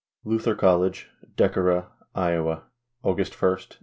Luxhek College, Decorah, Iowa, August 1, 1914.